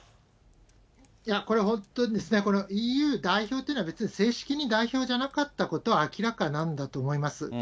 これ、本当にＥＵ代表というのは、別に正式に代表じゃなかったことは明らかなんだと思います。